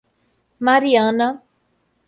Mariana